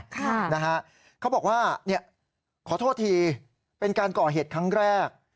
ค่ะนะฮะเขาบอกว่าเนี่ยขอโทษทีเป็นการก่อเหตุครั้งแรก